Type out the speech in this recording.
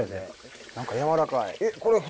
何かやわらかい。